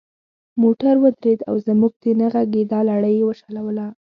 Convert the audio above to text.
موټر ودرید او زموږ د نه غږیدا لړۍ یې وشلوله.